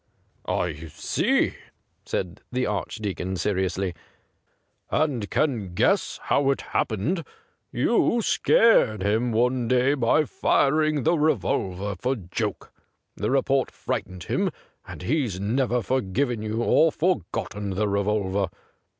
' I see,' said the Archdeacon seriously, ' and can guess how it happened. You scared him one day by firing the revolver for joke ; the report frightened him, and he's 176 THE GRAY CAT never forgiven you or forgotten the revolver.